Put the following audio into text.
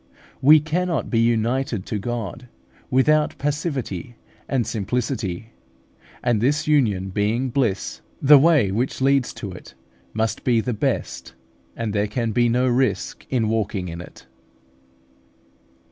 We cannot be united to God without passivity and simplicity; and this union being bliss, the way which leads to it must be the best, and there can be no risk in walking in it.